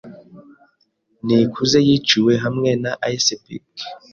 Nikuze yiciwe hamwe na icepick.